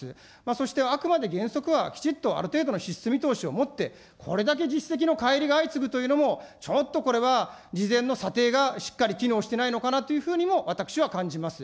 そしてあくまで原則はきちっとある程度の支出見通しを持って、これだけ実質的のかい離が相次ぐというのも、ちょっとこれは事前の査定がしっかり機能していないのかなというふうにも私は感じます。